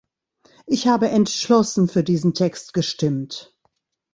Ich habe entschlossen für diesen Text gestimmt.